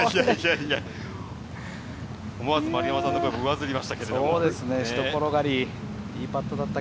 思わず丸山さんの声もうわずりました。